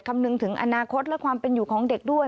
คำนึงถึงอนาคตและความเป็นอยู่ของเด็กด้วย